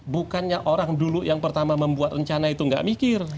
bukannya orang dulu yang pertama membuat rencana itu nggak mikir